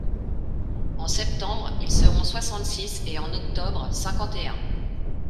En septembre, ils seront soixante-six et en octobre cinquante-et-un.